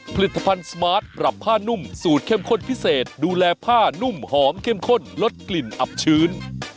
ผลิตภัณฑ์สมาร์ทปรับผ้านุ่มสูตรเข้มข้นพิเศษดูแลผ้านุ่มหอมเข้มข้นลดกลิ่นอับชื้น